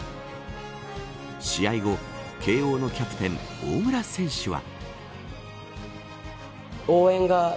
試合後、慶応のキャプテン大村選手は。